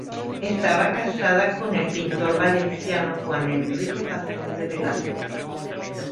Estaba casada con el pintor valenciano Juan Enrique Pastor de Velasco.